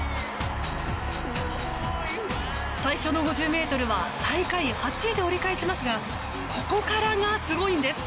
最初の５０ｍは最下位８位で折り返しますがここからがすごいんです。